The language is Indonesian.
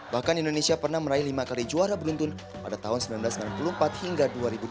bahkan indonesia pernah meraih lima kali juara beruntun pada tahun seribu sembilan ratus sembilan puluh empat hingga dua ribu dua belas